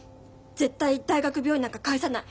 絶対大学病院なんか帰さない。